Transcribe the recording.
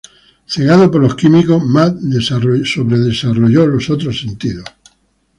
Cegado por los químicos, Matt desarrolló los sentidos sobrehumanos.